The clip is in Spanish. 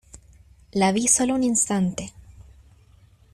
la vi solo un instante